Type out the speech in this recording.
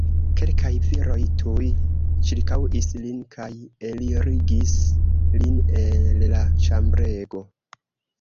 Kelkaj viroj tuj ĉirkaŭis lin kaj elirigis lin el la ĉambrego.